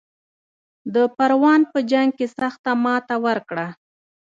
د پروان په جنګ کې سخته ماته ورکړه.